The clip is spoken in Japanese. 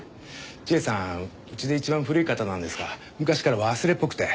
千絵さんうちで一番古い方なんですが昔から忘れっぽくて。